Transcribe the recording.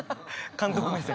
監督目線！